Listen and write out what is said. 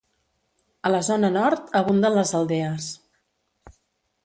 A la zona nord, abunden les aldees.